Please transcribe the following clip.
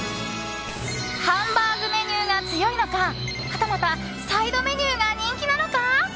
ハンバーグメニューが強いのかはたまたサイドメニューが人気なのか。